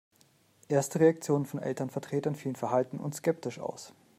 Erste Reaktionen von Elternvertretern fielen verhalten und skeptisch aus.